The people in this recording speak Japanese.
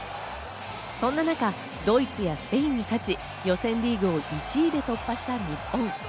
そんな中、ドイツやスペインに勝ち、予選リーグを１位で突破した日本。